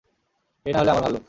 এই না হলে আমার ভাল্লুক!